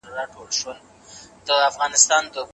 که استاد مهربانه نه وي شاګرد به ترې څه زده نه کړي.